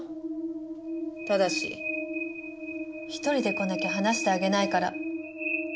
ただし１人で来なきゃ話してあげないから。